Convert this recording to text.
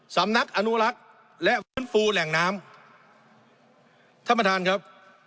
สำนักอนุรักษ์และฟื้นฟูแหล่งน้ำท่านประธานครับ